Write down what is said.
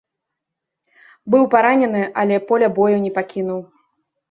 Быў паранены, але поля бою не пакінуў.